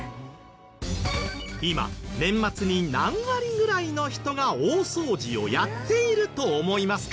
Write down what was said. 今年末に何割ぐらいの人が大掃除をやっていると思いますか？